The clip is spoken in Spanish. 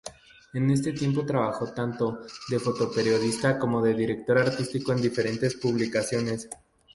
En este tiempo trabajó tanto de fotoperiodista como de director artístico en diferentes publicaciones.